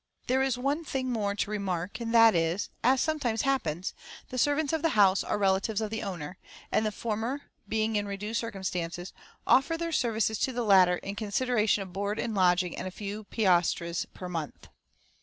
There is one thing more to remark, and that is, as sometimes happens, the servants of the house are relatives of the owner, and the former being in reduced circumstances, offer their services to the latter in consideration of board and lodging and a few piastres per month.